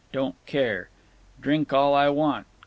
Don't care. Drink all I want.